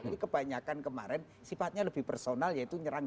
jadi kebanyakan kemarin sifatnya lebih personal yaitu nyerang dua